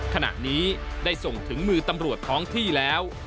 ขณะนี้ได้ส่งถึงมือตำรวจท้องที่แล้ว